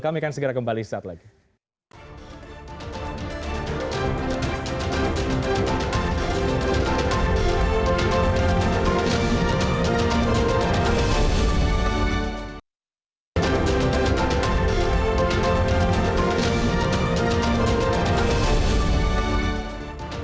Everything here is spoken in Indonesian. kami akan segera kembali setelah ini